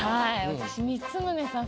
私光宗さん